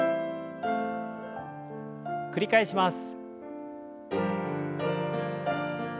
繰り返します。